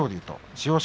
千代翔